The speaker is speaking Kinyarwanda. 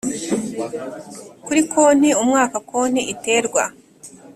Kuri konti umwaka konti iterwa